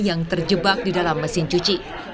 yang terjebak di dalam mesin cuci